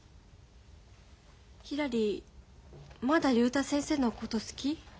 ひらりまだ竜太先生のこと好き？